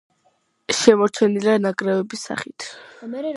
შემორჩენილია ნანგრევის სახით.